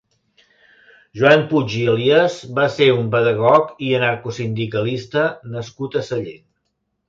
Joan Puig i Elias va ser un pedagog i anarcosindicalista nascut a Sallent.